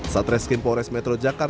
satreskin polres metro jakarta utara